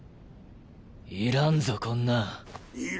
要らんぞこんなん。